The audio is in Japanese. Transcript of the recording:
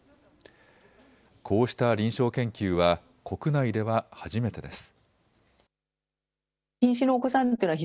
こうした臨床研究は国内では初めてです。